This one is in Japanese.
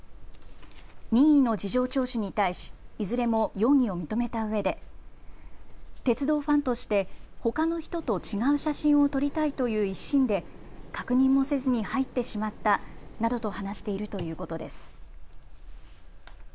任意の事情聴取に対しいずれも容疑を認めたうえで鉄道ファンとしてほかの人と違う写真を撮りたいという一心で確認もせずに入ってしまったなどと話しているということです。